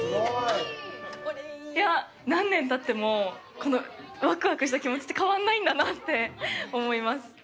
何年たってもこのわくわくした気持ちって変わらないんだなって思います。